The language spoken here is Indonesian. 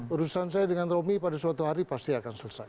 urusan saya dengan romi pada suatu hari pasti akan selesai